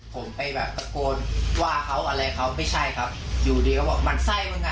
ผมไปแบบตะโกนว่าเขาอะไรเขาไม่ใช่ครับอยู่ดีเขาบอกมันไส้มึงอ่ะ